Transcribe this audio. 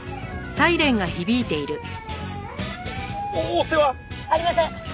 追っ手は？ありません。